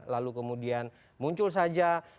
lalu kemudian muncul saja